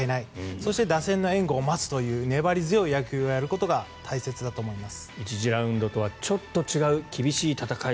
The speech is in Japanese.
そして、打線の援護を待つという粘り強い野球をやることが大切だと思います。